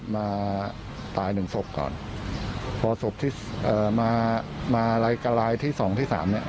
มาตายหนึ่งศพก่อนพอศพที่เอ่อมามารายการลายที่สองที่สามเนี้ย